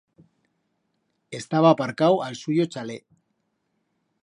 Estaba aparcau a'l suyo chalet.